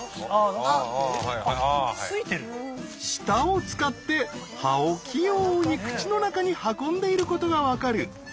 舌を使って葉を器用に口の中に運んでいることが分かる。